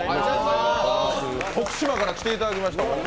徳島から来ていただきました。